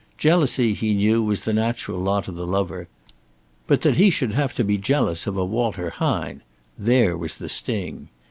Jealousy, he knew, was the natural lot of the lover. But that he should have to be jealous of a Walter Hine there was the sting.